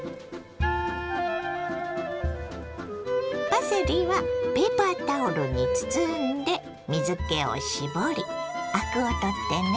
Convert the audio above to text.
パセリはペーパータオルに包んで水けを絞りアクを取ってね。